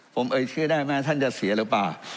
ผมเอ่ยเชื่อได้ไหมท่านจะเสียหรือเปล่า